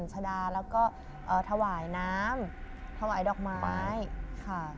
ชะดาแล้วก็ถวายน้ำถวายดอกไม้ค่ะ